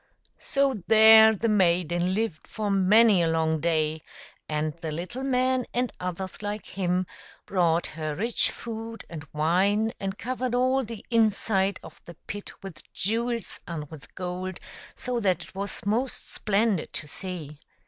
So there the maiden lived for many a long day, and the little man and others like him brought her rich food and wine, and covered all the inside of the pit with jewels and with gold, so that it was most splendid to see.